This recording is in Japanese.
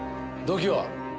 動機は？